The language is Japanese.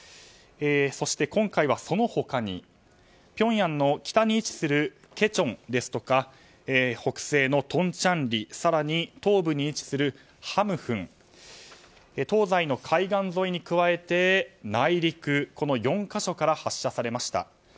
そして今回はその他にピョンヤンの北に位置するケチョンですとか北西のトンチャンリ東部に位置するハムフン東西の海岸沿いに加えて内陸、この４か所から発射されました。